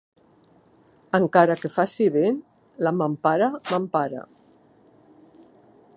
Encara que faci vent, la mampara m'empara.